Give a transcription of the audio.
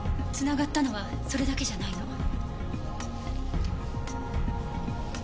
つながったのはそれだけじゃないの。